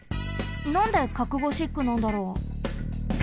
なんで角ゴシックなんだろう？